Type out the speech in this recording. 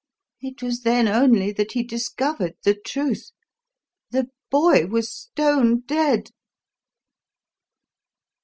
It was then only that he discovered the truth. The boy was stone dead!"